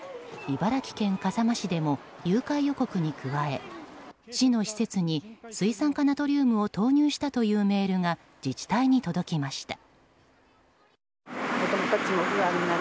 茨城県笠間市でも誘拐予告に加え市の施設に水酸化ナトリウムを投入したというメールが自治体に届きました。